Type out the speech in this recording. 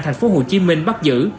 thành phố hồ chí minh bắt giữ